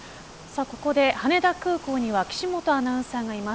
ここで羽田空港には岸本アナウンサーがいます。